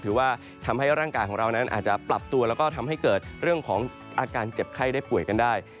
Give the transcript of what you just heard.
ถือว่าทำให้ร่างกายของเรานั้นอาจจะปรับตัวแล้วก็ทำให้เกิดเรื่องของอาการเจ็บไข้ได้ป่วยกันได้